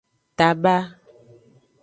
Taba.